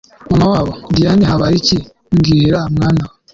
Mama wabo Diane habayiki mbwira mwana…